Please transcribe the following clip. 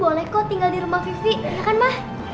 boleh kok tinggal di rumah vivi ya kan mah